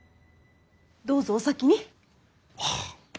どうぞお先に。